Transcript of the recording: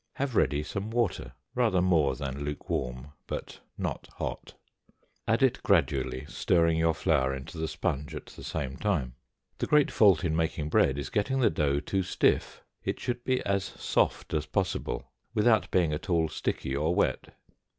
Have ready some water, rather more than lukewarm, but not hot. Add it gradually, stirring your flour into the sponge at the same time. The great fault in making bread is getting the dough too stiff; it should be as soft as possible, without being at all sticky or wet.